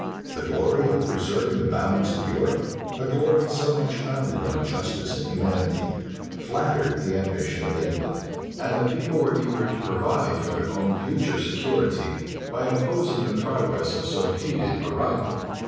The glory of preserving the balance of Europe, a glory so much founded on justice and humanity, flattered the ambition of England; and the people were eager to provide for their own future security, by opposing the progress of so hated a rival.